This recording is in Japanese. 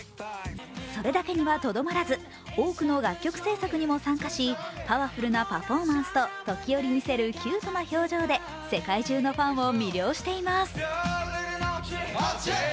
それだけにはとどまらず多くの楽曲制作にも参加しパワフルなパフォーマンスと時折見せるキュートな表情で世界中のファンを魅了しています。